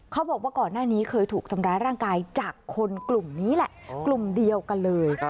ก่อนหน้านี้เคยถูกทำร้ายร่างกายจากคนกลุ่มนี้แหละกลุ่มเดียวกันเลย